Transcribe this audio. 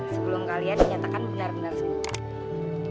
sebelum kalian dinyatakan benar benar sehat